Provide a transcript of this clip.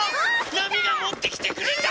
なみがもってきてくれた！